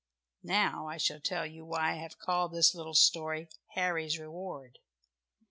Now I shall tell you why I have called this little story "Harry's Reward."